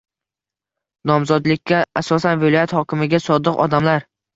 Nomzodlikka asosan viloyat hokimiga sodiq odamlar